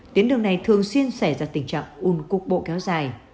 tuyến đường này thường xuyên xảy ra tình trạng ùn cục bộ kéo dài